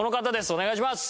お願いします。